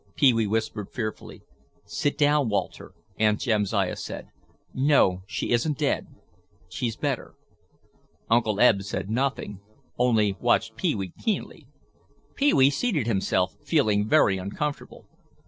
Pee wee whispered fearfully. "Sit down, Walter," said Aunt Jamsiah; "no, she isn't dead, she's better." Uncle Eb said nothing, only watched Pee wee keenly. Pee wee seated himself, feeling very uncomfortable.